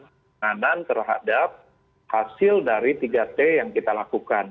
penanganan terhadap hasil dari tiga t yang kita lakukan